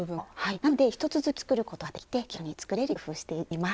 なので一続きで作ることができて気軽に作れるように工夫しています。